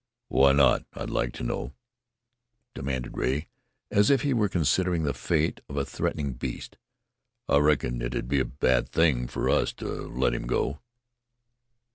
"Why not, I'd like to know?" demanded Rea, as if he were considering the fate of a threatening beast. "I reckon it'd be a bad thing for us to let him go."